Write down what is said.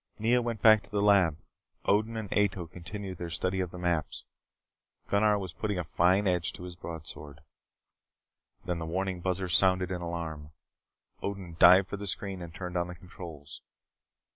Nea went back to the lab. Odin and Ato continued their study of the maps. Gunnar was putting a fine edge to his broadsword. Then the warning buzzer sounded its alarm. Odin dived for the screen and turned on the controls.